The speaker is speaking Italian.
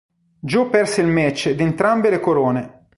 Joe perse il match ed entrambe le corone.